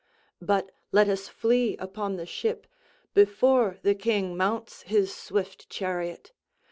But let us flee upon the ship, before the king mounts his swift chariot.